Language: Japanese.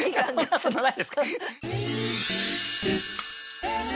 そんなことないですから。